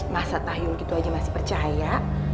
masa tahir gitu aja masih percaya